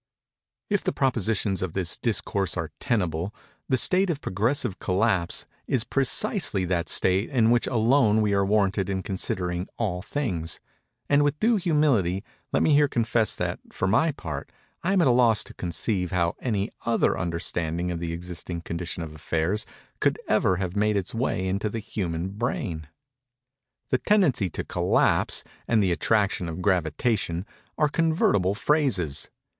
If the propositions of this Discourse are tenable, the "state of progressive collapse" is precisely that state in which alone we are warranted in considering All Things; and, with due humility, let me here confess that, for my part, I am at a loss to conceive how any other understanding of the existing condition of affairs, could ever have made its way into the human brain. "The tendency to collapse" and "the attraction of gravitation" are convertible phrases.